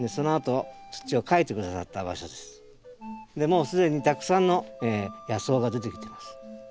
もう既にたくさんの野草が出てきてます。